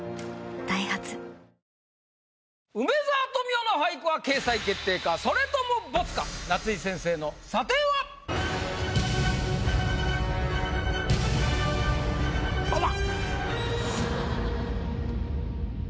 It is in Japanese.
ダイハツ梅沢富美男の俳句は掲載決定か⁉それともボツか⁉夏井先生の査定は⁉パワー！